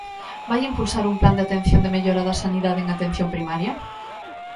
¿Vai impulsar un plan de atención de mellora da sanidade en atención primaria?